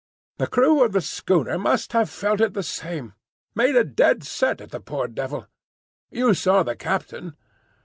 "The crew of the schooner must have felt it the same. Made a dead set at the poor devil. You saw the captain?"